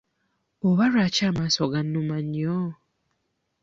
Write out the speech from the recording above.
Oba lwaki amaaso gannuma nnyo?